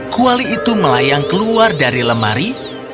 kuali itu melayang keluar dari lemari